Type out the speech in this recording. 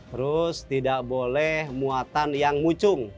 terus tidak boleh muatan yang mucung